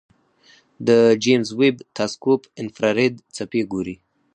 د جیمز ویب تلسکوپ انفراریډ څپې ګوري.